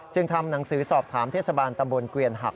ทำหนังสือสอบถามเทศบาลตำบลเกวียนหัก